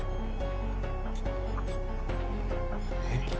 えっ？